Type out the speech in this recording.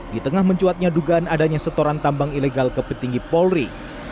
di tengah mencuatnya dugaan adanya setoran tambang ilegal ke petinggi polri